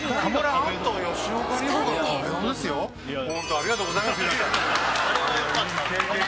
ありがとうございます。